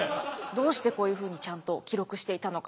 どうしてこういうふうにちゃんと記録していたのか。